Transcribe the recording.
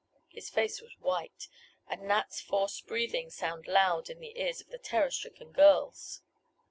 His face was white, and Nat's forced breathing sounded loud in the ears of the terror stricken girls.